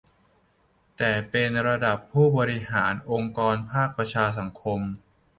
แต่เป็นระดับผู้บริหารองค์กรภาคประชาสังคม